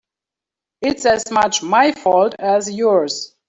It's as much my fault as yours.